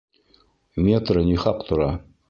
Метры ни хаҡ тора?